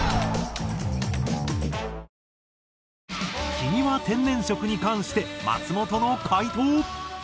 『君は天然色』に関して松本の回答。